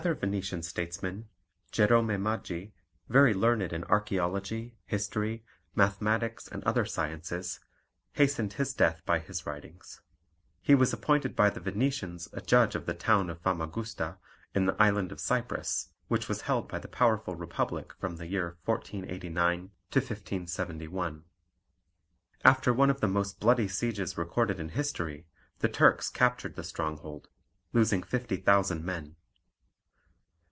Another Venetian statesman, Jerome Maggi, very learned in archaeology, history, mathematics, and other sciences, hastened his death by his writings. He was appointed by the Venetians a judge of the town of Famagousta, in the island of Cyprus, which was held by the powerful Republic from the year 1489 to 1571. After one of the most bloody sieges recorded in history, the Turks captured the stronghold, losing 50,000 men.